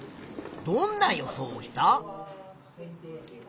どんな予想をした？